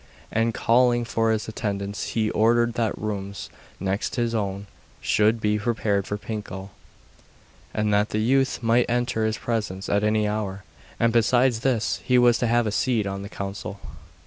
And calling for his attendants he ordered that rooms next his own should be prepared for Pinkel, and that the youth might enter his presence at any hour. And besides this, he was to have a seat on the council.